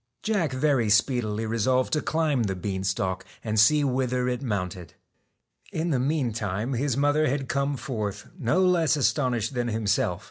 Jack very speedily resolved to climb the bean stalk and see whither it mounted. In the meantime his mother had come forth, no less astonished than himself.